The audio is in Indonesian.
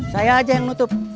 saya aja yang nutup